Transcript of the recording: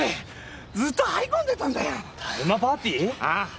ああ。